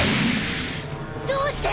どうして！？